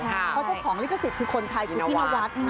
เพราะเจ้าของลิขสิตคือคนไทยคือพินาวัต